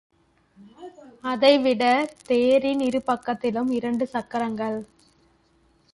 அதை விட தேரின் இருபக்கத்திலும் இரண்டு சக்கரங்கள்.